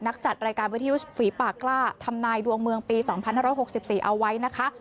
จัดรายการวิทยุฝีปากกล้าทำนายดวงเมืองปี๒๕๖๔เอาไว้นะคะ